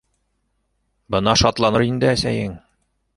Бына шатланыр инде әсәйең!